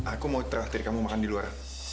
aku mau terakhir kamu makan di luar